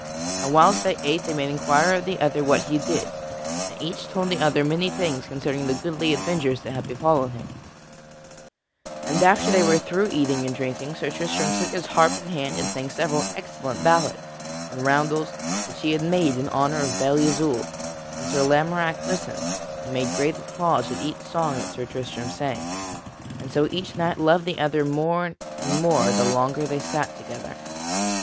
And whiles they ate each made inquiry of the other what he did, and each told the other many things concerning the goodly adventures that had befallen him. [Sidenote: Sir Tristram sings to Sir Lamorack] And after they were through eating and drinking, Sir Tristram took his harp in hand and sang several excellent ballads and rondels which he had made in honor of Belle Isoult, and Sir Lamorack listened and made great applause at each song that Sir Tristram sang. And so each knight loved the other more and more the longer they sat together.